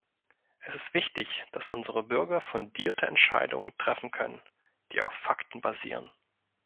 Es ist wichtig, dass unsere Bürger fundierte Entscheidungen treffen können, die auf Fakten basieren.